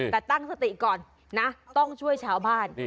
แต่ตั้งสติก่อนนะต้องช่วยชาวบ้าน